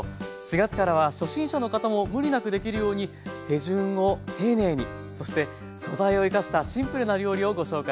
４月からは初心者の方も無理なくできるように手順を丁寧にそして素材を生かしたシンプルな料理をご紹介していきます。